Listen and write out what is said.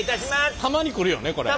たまに来るよねこれ。